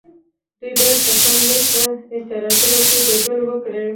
دوی باید په سم نیت په اعتراضونو کې ګډون وکړي.